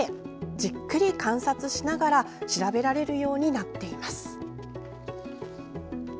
じっくり観察しながら調べられるようになっています。